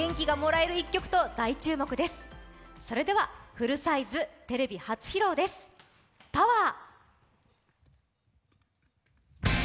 フルサイズ、テレビ初披露です「ＰＯＷＥＲ」。